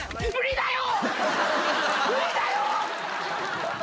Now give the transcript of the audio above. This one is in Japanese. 無理だよ！